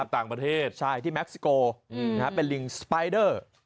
วิทยาลัยศาสตร์อัศวิทยาลัยศาสตร์